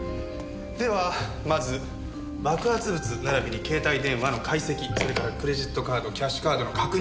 ではまず爆発物並びに携帯電話の解析それからクレジットカードキャッシュカードの確認。